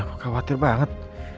aku khawatir banget